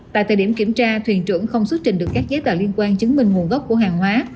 tại thời điểm kiểm tra thuyền trưởng không xuất trình được các giấy tờ liên quan chứng minh nguồn gốc của hàng hóa